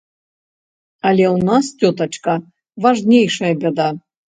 Але ў нас, цётачка, важнейшая бяда.